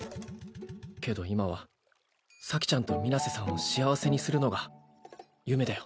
けど今は咲ちゃんと水瀬さんを幸せにするのが夢だよ。